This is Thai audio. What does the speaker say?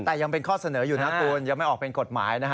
แต่ยังเป็นข้อเสนออยู่นะคุณยังไม่ออกเป็นกฎหมายนะฮะ